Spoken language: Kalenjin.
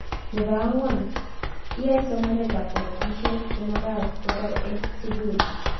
Nebo ang'wan iyae somanet ab kabatishet ko magat ko kitar eng' sukul